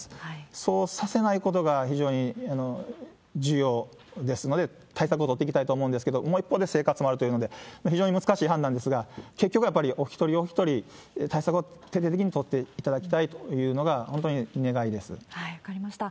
そうさせないことが非常に重要ですので、対策を取っていきたいと思うんですけれども、もう一方で生活もあるというので、非常に難しい判断ですが、結局やっぱりお一人お一人対策を徹底的に取っていただきたいとい分かりました。